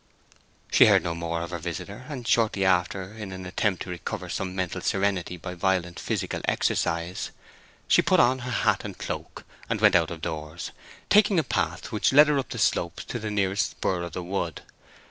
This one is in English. She heard no more of her visitor; and shortly after, in an attempt to recover some mental serenity by violent physical exercise, she put on her hat and cloak and went out of doors, taking a path which led her up the slopes to the nearest spur of the wood.